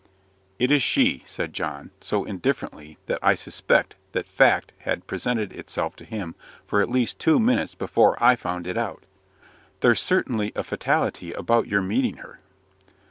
"It is she," said John, so indifferently that I suspect that fact had presented itself to him for at least two minutes before I found it out. "There's certainly a fatality about your meeting her."